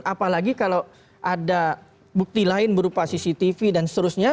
apalagi kalau ada bukti lain berupa cctv dan seterusnya